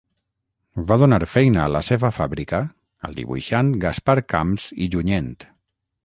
Va donar feina a la seva fàbrica al dibuixant Gaspar Camps i Junyent.